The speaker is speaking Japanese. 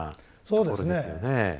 そうですね。